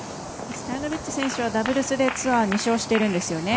ストヤノビッチ選手はダブルスでツアー２勝してるんですよね。